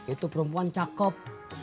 itu perempuan cakep